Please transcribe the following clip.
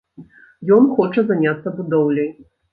Ён хоча заняцца будоўляй.